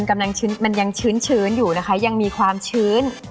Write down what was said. กำลังมันยังชื้นอยู่นะคะยังมีความชื้น